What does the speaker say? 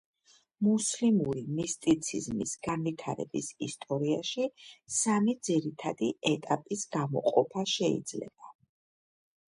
მუსლიმური მისტიციზმის განვითარების ისტორიაში სამი ძირითადი ეტაპის გამოყოფა შეიძლება.